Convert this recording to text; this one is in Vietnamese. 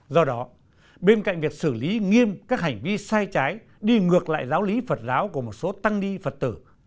do đó bên cạnh việc xử lý nghiêm các hành vi sai trái đi ngược lại giáo lý phật giáo của một số tăng đi phật tử